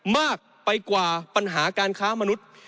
มากไปกว่าปัญหาการค้ามนุษย์